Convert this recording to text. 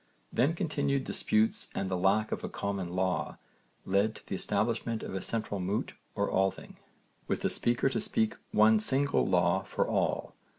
Then, continued disputes and the lack of a common law led to the establishment of a central moot or alþing, with a speaker to speak one single law for all.